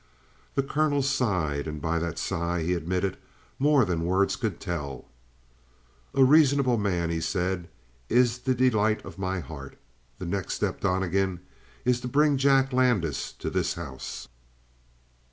The colonel sighed, and by that sigh he admitted more than words could tell. "A reasonable man," he said, "is the delight of my heart. The next step, Donnegan, is to bring Jack Landis to this house."